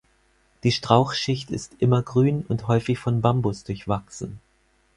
Die Strauchschicht ist immergrün und häufig von Bambus durchwachsen.